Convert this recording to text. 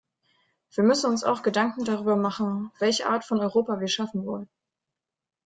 Wir müssen uns auch Gedanken darüber machen, welche Art von Europa wir schaffen wollen.